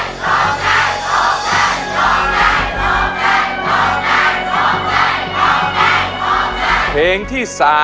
ร้องให้ร้องให้ร้องให้